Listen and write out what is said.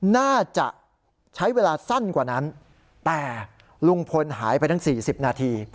น่าจะใช้เวลาสั้นกว่านั้นแต่ลุงพลหายไปตั้ง๔๐นาที